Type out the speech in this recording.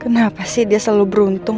kenapa sih dia selalu beruntung